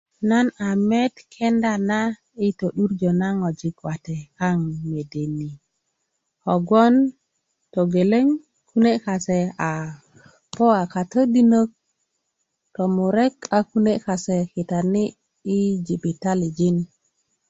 nan a met kenda na i to'durjó na ŋojik nawate kaŋ medeni kogon togeleŋ kune kase a po a katodinaök tomurek a kune' kase kitani' yi jibitalijin